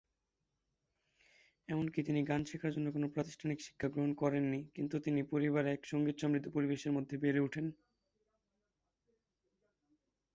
এমনকি তিনি গান শেখার জন্য কোন প্রাতিষ্ঠানিক শিক্ষা গ্রহণ করেননি কিন্তু তিনি পরিবারে এক সঙ্গীত সমৃদ্ধ পরিবেশের মধ্যে বেড়ে উঠেন।